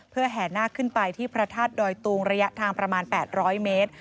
เพื่อแห่นาคขึ้นไปที่พระธาตุดอยตุงระยะทางประมาณ๘๐๐เมตร